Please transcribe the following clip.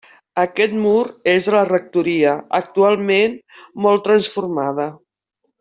Aquest mur és de la rectoria, actualment molt transformada.